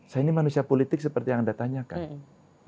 saya ini manusia politik seperti yang anda tanyakan